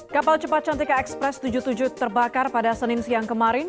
kapal cepat cantika ekspres tujuh puluh tujuh terbakar pada senin siang kemarin